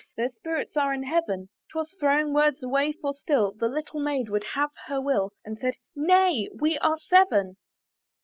"Their spirits are in heaven!" 'Twas throwing words away; for still The little Maid would have her will, And said, "Nay, we are seven!"